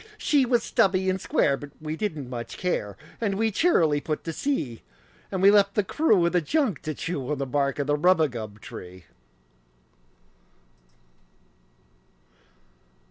She was stubby and square, but we didn't much care, And we cheerily put to sea; And we left the crew of the junk to chew The bark of the rubagub tree.